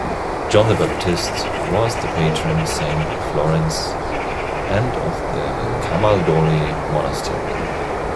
John the Baptist was the patron saint of Florence and of the Camaldoli monastery.